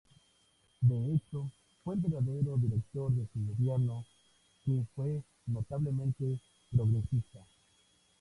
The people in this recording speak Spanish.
De hecho, fue el verdadero director de su gobierno, que fue notablemente progresista.